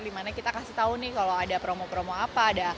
dimana kita kasih tau nih kalau ada promo promo apa